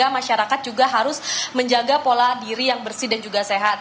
masyarakat juga harus menjaga pola diri yang bersih dan juga sehat